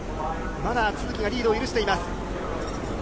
まだ都筑がリードを許しています。